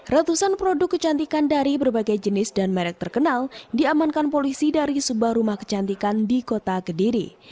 ratusan produk kecantikan dari berbagai jenis dan merek terkenal diamankan polisi dari sebuah rumah kecantikan di kota kediri